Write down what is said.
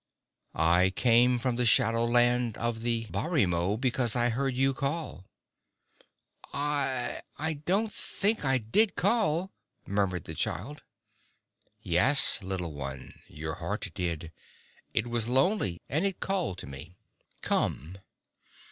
"I came from the Shadowland of the Barimo, because I heard you call." "I I don't think I did call!" murmured the child. "Yes, little one, your heart did! It was lonely, and it called to me. Come!"